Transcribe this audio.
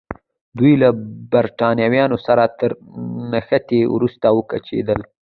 دوی له برېټانویانو سره تر نښتې وروسته وکوچېدل.